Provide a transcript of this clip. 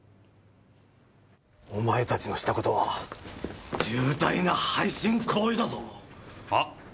お前たちのした事は重大な背信行為だぞ！は？